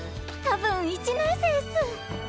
多分１年生っす！